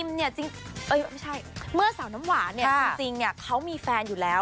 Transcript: เมื่อสาวน้ำหวานจริงเขามีแฟนอยู่แล้ว